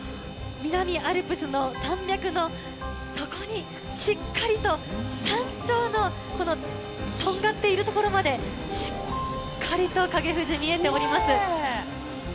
南アルプスの山脈のそこにしっかりと、山頂のこのとんがっている所まで、しっかりと影富士、見えております。